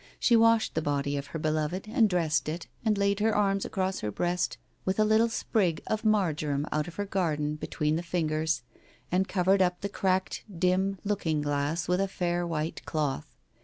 She washed the body of her be loved, and dressed it, and laid her arms across her breast with a little sprig of marjoram out of her garden between the fingers, and covered up the cracked dim looking glass with a fair white cloth.